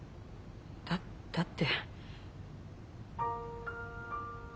だっだって。